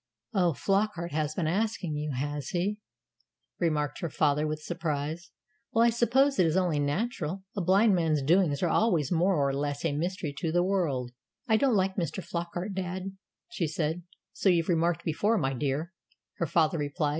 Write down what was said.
"Oh, Flockart has been asking you, has he?" remarked her father with surprise. "Well, I suppose it is only natural. A blind man's doings are always more or less a mystery to the world." "I don't like Mr. Flockart, dad," she said. "So you've remarked before, my dear," her father replied.